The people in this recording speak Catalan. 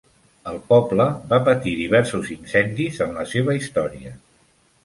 El poble va patir diversos incendis en la seva història.